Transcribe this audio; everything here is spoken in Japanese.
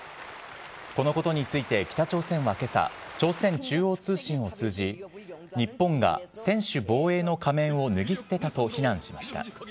このことについて、北朝鮮はけさ、朝鮮中央通信を通じ、日本が専守防衛の仮面を脱ぎ捨てたと非難しました。